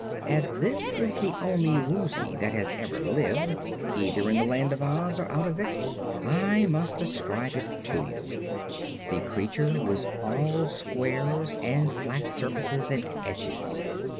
As this is the only Woozy that has ever lived, either in the Land of Oz or out of it, I must describe it to you. The creature was all squares and flat surfaces and edges.